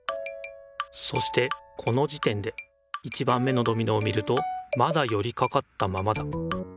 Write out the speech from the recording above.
そしてこの時点で１番目のドミノを見るとまだよりかかったままだ。